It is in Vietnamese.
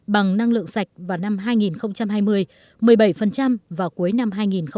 bằng năng lượng sạch vào năm hai nghìn hai mươi một mươi bảy vào cuối năm hai nghìn ba mươi